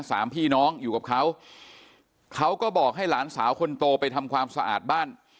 สามพี่น้องอยู่กับเขาเขาก็บอกให้หลานสาวคนโตไปทำความสะอาดบ้าน